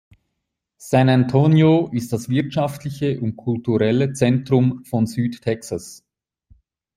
San Antonio ist das wirtschaftliche und kulturelle Zentrum von Südtexas.